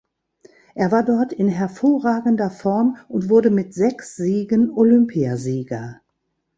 Er war dort in hervorragender Form und wurde mit sechs Siegen Olympiasieger.